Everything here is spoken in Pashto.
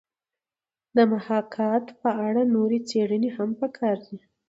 د محاکات په اړه نورې څېړنې هم پکار دي